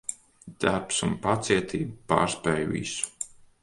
Darbs un pacietība pārspēj visu.